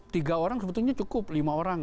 tiga orang sebetulnya cukup lima orang